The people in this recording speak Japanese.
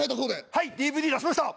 「はいＤＶＤ出しました！」。